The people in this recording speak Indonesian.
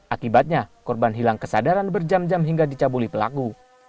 akibatnya korban hilang kesadaran berjam jam hingga dicabuli pelaku